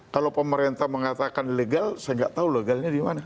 kalau pemerintah mengatakan legal saya nggak tahu legalnya di mana